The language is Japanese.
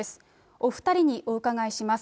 お２人にお伺いします。